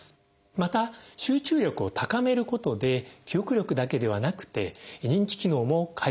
また集中力を高めることで記憶力だけではなくて認知機能も改善されます。